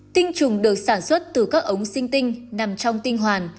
tinh trùng được sản xuất từ các ống sinh tinh nằm trong tinh hoàn